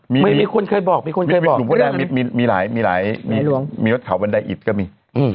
มี่มิควรเคยบอกมิควรเคยบอกผู้ดังเหมือนมิลหายมิร้อยมิลหลวงมีโทษเขาบันไดอิสก็มี